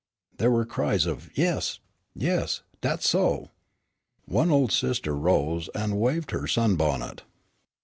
There were cries of "Yes, yes! dat's so!" One old sister rose and waved her sunbonnet.